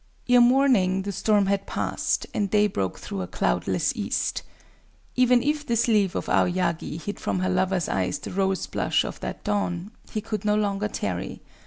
Ere morning the storm had passed; and day broke through a cloudless east. Even if the sleeve of Aoyagi hid from her lover's eyes the rose blush of that dawn, he could no longer tarry.